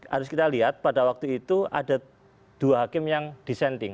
harus kita lihat pada waktu itu ada dua hakim yang dissenting